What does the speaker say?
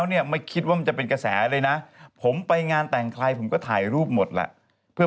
นี่ฉันขยันนี่ผิดเหรอ